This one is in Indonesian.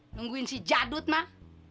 nungguin si jadut mah